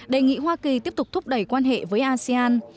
đề nghị hoa kỳ tiếp tục thúc đẩy quan hệ với asean